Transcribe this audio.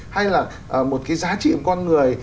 hay là một cái giá trị của con người